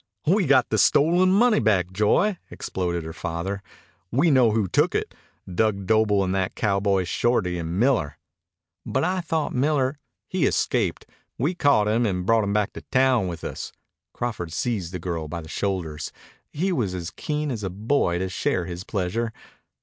"We've got the stolen money back, Joy," exploded her father. "We know who took it Dug Doble and that cowboy Shorty and Miller." "But I thought Miller " "He escaped. We caught him and brought him back to town with us." Crawford seized the girl by the shoulders. He was as keen as a boy to share his pleasure.